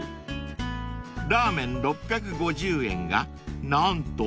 ［ラーメン６５０円が何と４００円］